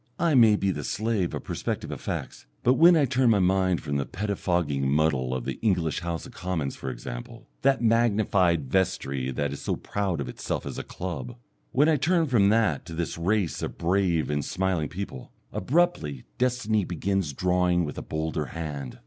I may be the slave of perspective effects, but when I turn my mind from the pettifogging muddle of the English House of Commons, for example, that magnified vestry that is so proud of itself as a club when I turn from that to this race of brave and smiling people, abruptly destiny begins drawing with a bolder hand.